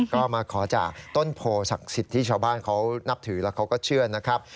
ก็มาขอจากต้นโพศักดิ์สิทธิ์ที่ชาวบ้านเขานับถือแล้วเขาก็เชื่อนะครับ